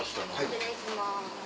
失礼します。